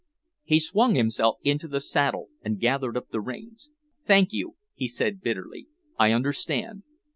He swung himself into the saddle and gathered up the reins. "Thank you," he said bitterly, "I understand.